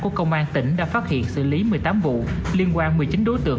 của công an tỉnh đã phát hiện xử lý một mươi tám vụ liên quan một mươi chín đối tượng